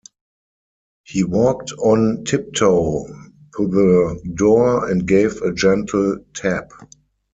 He walked on tiptoe to the door, and gave a gentle tap.